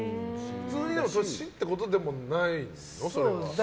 普通に年ということでもないの。